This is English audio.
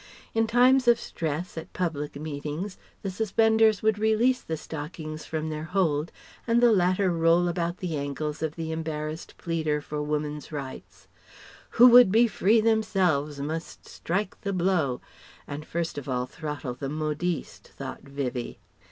In times of stress, at public meetings the suspenders would release the stockings from their hold, and the latter roll about the ankles of the embarrassed pleader for Woman's Rights ("Who would be free, themselves must strike the blow," and first of all throttle the modiste, thought Vivie).